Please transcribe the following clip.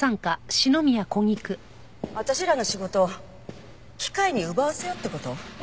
私らの仕事を機械に奪わせようって事？